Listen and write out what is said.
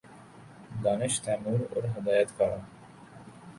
دانش تیمور اور ہدایت کارہ